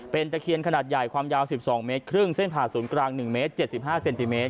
เป็นตะเคียนขนาดใหญ่ความยาว๑๒๕เส้นผ่าศูนย์กลาง๑๗๕เซนติเมตร